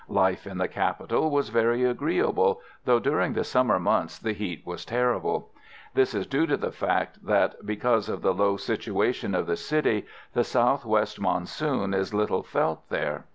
Life in the capital was very agreeable, though during the summer months the heat was terrible. This is due to the fact that, because of the low situation of the city, the south west monsoon is little felt there.